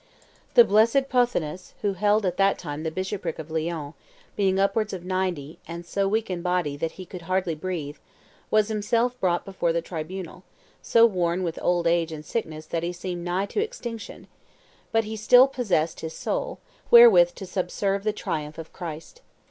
... "The blessed Pothinus, who held at that time the bishopric of Lyons, being upwards of ninety, and so weak in body that he could hardly breathe, was himself brought before the tribunal, so worn with old age and sickness that he seemed nigh to extinction; but he still possessed his soul, wherewith to subserve the triumph of Christ.